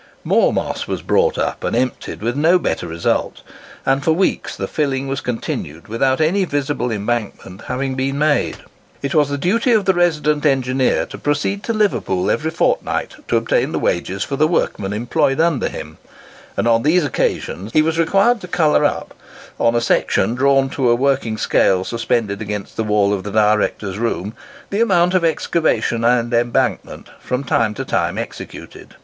More moss was brought up and emptied with no better result; and for weeks the filling was continued without any visible embankment having been made. It was the duty of the resident engineer to proceed to Liverpool every fortnight to obtain the wages for the workmen employed under him; and on these occasions he was required to colour up, on a section drawn to a working scale suspended against the wall of the directors' room, the amount of excavation and embankment from time to time executed.